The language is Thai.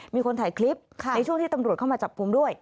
มีคนถ่ายคลิปในช่วงที่ตำรวจเข้ามาจับกลุ่มด้วย